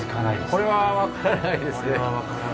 これは分からないですね。